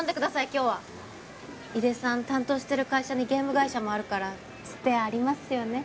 今日は井手さん担当してる会社にゲーム会社もあるからツテありますよね？